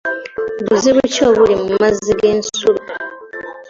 Buzibu ki obuli mu mazzi g'ensulo?